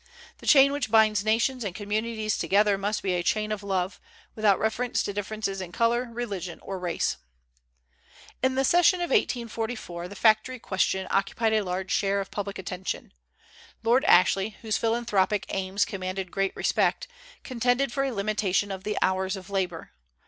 The chain which binds nations and communities together must be a chain of love, without reference to differences in color, religion, or race. In the session of 1844 the factory question occupied a large share of public attention. Lord Ashley, whose philanthropic aims commanded great respect, contended for a limitation of the hours of labor.